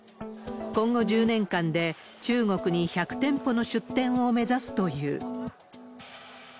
今後１０年間で、中国に１００店舗の出展を目指すという。